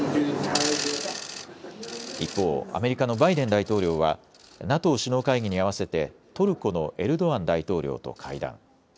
一方、アメリカのバイデン大統領はＮＡＴＯ首脳会議に合わせてトルコのエルドアン大統領と会談。